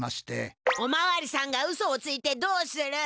おまわりさんがうそをついてどうする？